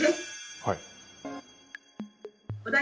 はい。